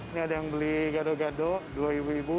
ini ada yang beli gado gado dua ibu ibu